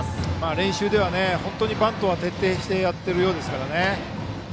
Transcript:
練習では、本当にバントは徹底してやっているようですから。